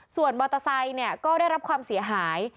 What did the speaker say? ส่วนมอเตอร์ไซค์ก็ได้รับความเสียหาย